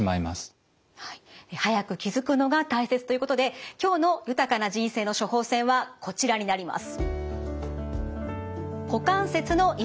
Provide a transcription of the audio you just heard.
はい早く気付くのが大切ということで今日の「豊かな人生の処方せん」はこちらになります。